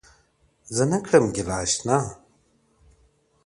زه نه كړم گيله اشــــــــــــنا~